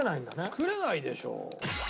作れないでしょう。